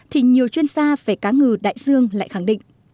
thì nhiều chuyên gia về cá ngừ đại dương lại khẳng định